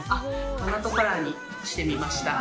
マナトカラーにしてみました。